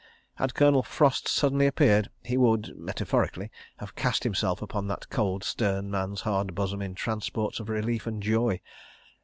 Had Colonel Frost suddenly appeared he would (metaphorically) have cast himself upon that cold, stern man's hard bosom in transports of relief and joy.